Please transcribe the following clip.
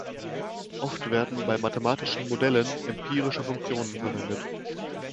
Oft werden bei mathematischen Modellen Empirische Funktionen verwendet.